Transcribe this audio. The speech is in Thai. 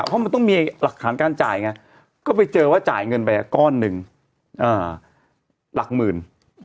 เพราะมันต้องมีหลักฐานการจ่ายไงก็ไปเจอว่าจ่ายเงินไปก้อนหนึ่งหลักหมื่น